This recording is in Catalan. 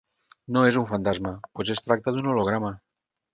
No és un fantasma, potser és tracta d'un holograma.